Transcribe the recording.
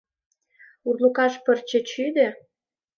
Урлыкаш пырче чӱдӧ?